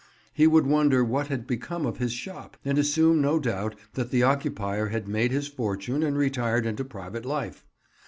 He would wonder what had become of his shop, and assume no doubt that the occupier had made his fortune and retired into private life.